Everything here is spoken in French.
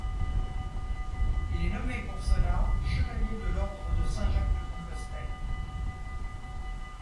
Il est nommé pour cela chevalier de l'ordre de Saint-Jacques-de-Compostelle.